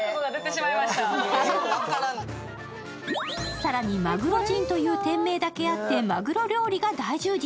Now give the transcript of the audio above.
更に、まぐろじんという店名だけあって、まぐろ料理が大充実。